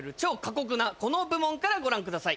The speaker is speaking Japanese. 酷なこの部門からご覧ください。